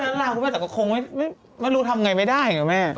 ลาร่าคุณแม่แต่ก็คงไม่รู้ทำไงไม่ได้